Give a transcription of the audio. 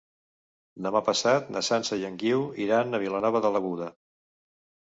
Demà passat na Sança i en Guiu iran a Vilanova de l'Aguda.